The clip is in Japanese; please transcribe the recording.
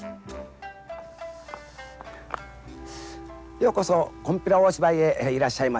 ようこそ金毘羅大芝居へいらっしゃいました。